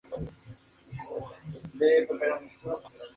Solamente los equipos de e quedaron fuera de la competición.